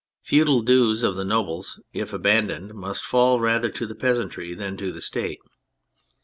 The feudal dues of the nobles, if abandoned, must fall rather to the peasantry than to the State.